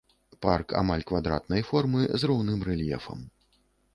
Парк амаль квадратнай формы з роўным рэльефам.